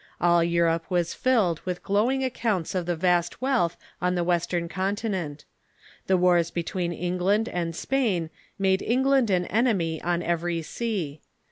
All Europe was filled with gloAving accounts of the vast wealth on the Avestern con tinent. The wars bet\veen England and Si)ain made England 318 TUB MODERN CHUKCH an enemy on every sea.